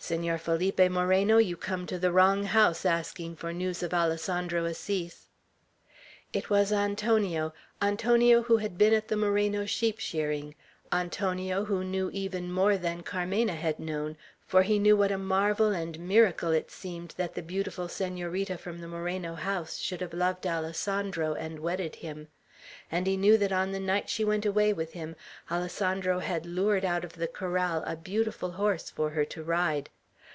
"Senor Felipe Moreno, you come to the wrong house asking for news of Alessandro Assis!" It was Antonio, Antonio, who had been at the Moreno sheep shearing; Antonio, who knew even more than Carmena had known, for he knew what a marvel and miracle it seemed that the beautiful Senorita from the Moreno house should have loved Alessandro, and wedded him; and he knew that on the night she went away with him, Alessandro had lured out of the corral a beautiful horse for her to ride.